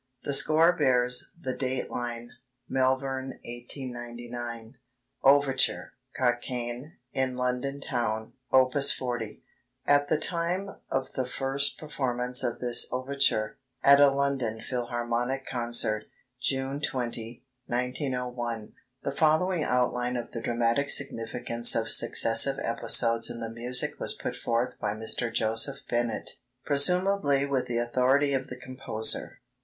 The score bears the date line: "Malvern, 1899." OVERTURE, "COCKAIGNE" ("IN LONDON TOWN"): Op. 40 At the time of the first performance of this overture (at a London Philharmonic concert, June 20, 1901), the following outline of the dramatic significance of successive episodes in the music was put forth by Mr. Joseph Bennet, presumably with the authority of the composer: 1.